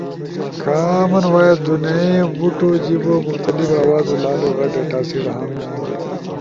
کامن وائس دونئی بوتو جیبو مختلف آوازو لالو غٹ ڈیٹاسیٹ ہنو